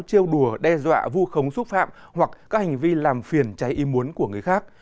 chiêu đùa đe dọa vu khống xúc phạm hoặc các hành vi làm phiền cháy im muốn của người khác